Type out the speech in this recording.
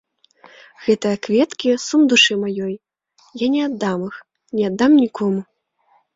Гэтыя кветкі сум душы маёй, я не аддам іх, не аддам нікому.